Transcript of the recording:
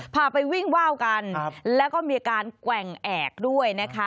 พาไปวิ่งว่าวกันแล้วก็มีอาการแกว่งแอกด้วยนะคะ